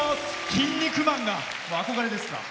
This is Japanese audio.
キン肉マンが憧れですか？